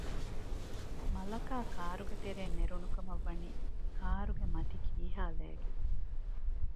މަލަކާ ކާރުގެތެރެއިން ނެރުނު ކަމަށްވަނީ ކާރުގެ މަތި ކީހާލައިގެން